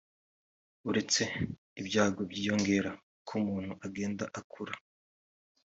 uretse ibyago byiyongera uko umuntu agenda akura